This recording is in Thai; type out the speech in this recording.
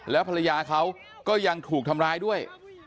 แล้วภรรยาเขาก็ยังถูกทำร้ายด้วย